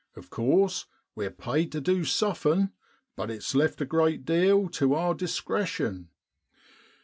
Of course, we're paid tu du suffin', but it's left a great deal tu our dis cretion.